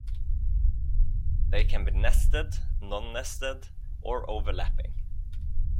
They can be nested, non-nested or overlapping.